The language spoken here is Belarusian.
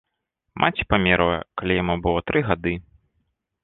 Маці памерла, калі яму было тры гады.